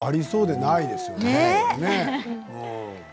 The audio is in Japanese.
ありそうでないですよね。